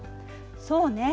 そうね。